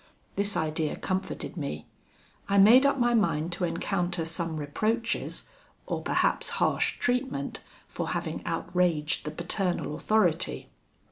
This idea comforted me. I made up my mind to encounter some reproaches, or perhaps harsh treatment, for having outraged the paternal authority.